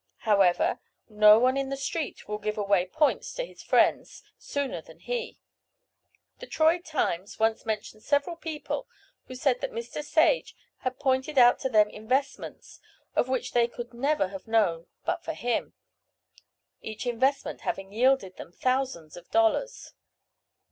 However, no one in the "street" will give away "points" to his friends sooner than he. The Troy Times once mentioned several people who said that Mr. Sage had pointed out to them investments, of which they could never have known but for him, each investment having yielded them thousands of dollars.